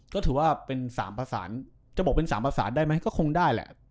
ก็ถือว่าเป็น๓ภาษาจะบอกเป็น๓ภาษาได้ไหมก็คงได้แหละ